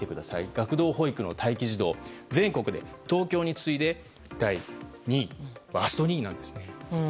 学童保育の待機児童は全国で東京に次いで第２位、ワースト２位なんですね。